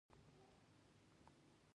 هغه هغې ته د سپوږمیز زړه ګلان ډالۍ هم کړل.